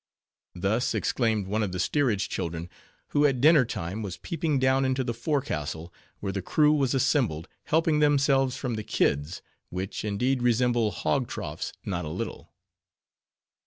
Thus exclaimed one of the steerage children, who at dinner time was peeping down into the forecastle, where the crew were assembled, helping themselves from the "kids," which, indeed, resemble hog troughs not a little.